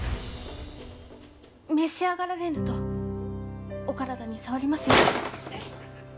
召し上がられぬとお体に障りますよ！